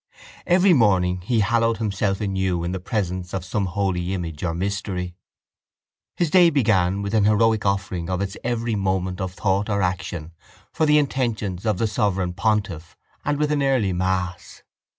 Every morning he hallowed himself anew in the presence of some holy image or mystery. His day began with an heroic offering of its every moment of thought or action for the intentions of the sovereign pontiff and with an early mass.